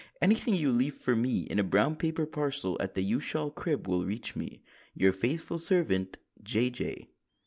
anny thing you leeve for mee in a broun paper parsel at the ushoul crib will reech mee. Yure fatheful servant, "J. J."